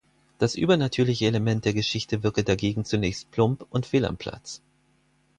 Das übernatürliche Element der Geschichte wirke dagegen zunächst plump und fehl am Platz.